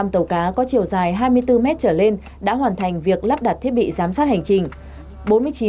một trăm linh tàu cá có chiều dài hai mươi bốn m trở lên đã hoàn thành việc lắp đặt thiết bị giám sát hành trình